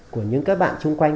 của những các bạn xung quanh